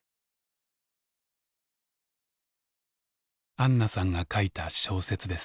あんなさんが書いた小説です。